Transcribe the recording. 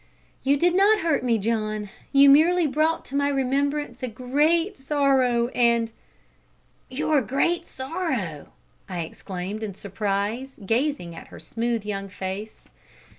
"You did not hurt me, John; you merely brought to my remembrance my great sorrow and " "Your great sorrow!" I exclaimed in surprise, gazing at her smooth young face.